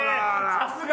さすが。